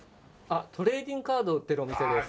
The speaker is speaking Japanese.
トレーディングカードを売っているお店です。